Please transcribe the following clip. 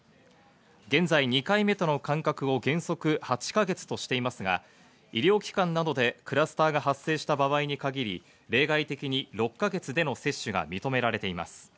現在２回目との間隔を原則８か月としていますが、医療機関などでクラスターが発生した場合に限り例外的に６か月での接種が認められています。